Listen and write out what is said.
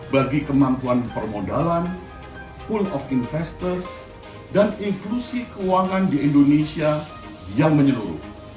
bagi kemampuan permodalan pool of investors dan inklusi keuangan di indonesia yang menyeluruh